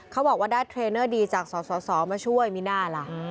เขาบอกว่าได้เทรนเนอร์ดีจากสสมาช่วยมีหน้าล่ะ